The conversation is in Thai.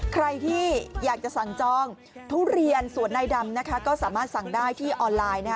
ใครที่อยากจะสั่งจองทุเรียนสวนในดำนะคะก็สามารถสั่งได้ที่ออนไลน์